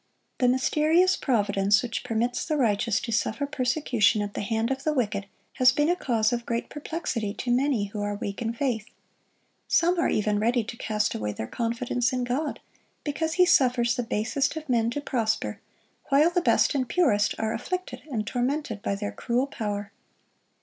The mysterious providence which permits the righteous to suffer persecution at the hand of the wicked, has been a cause of great perplexity to many who are weak in faith. Some are even ready to cast away their confidence in God, because He suffers the basest of men to prosper, while the best and purest are afflicted and tormented by their cruel power.